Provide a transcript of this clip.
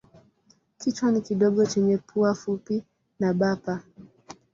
Kichwa ni kidogo chenye pua fupi na bapa.